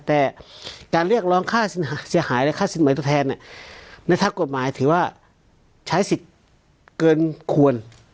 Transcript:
แต่การเรียกร้องค่าเสียหายและค่าสินหมายตัวแทนในถ้ากฎหมายถือว่าใช้สิทธิ์เกินควร